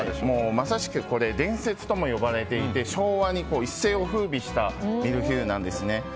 まさしく伝説とも呼ばれていて昭和に一世を風靡したミルフィーユなんですね。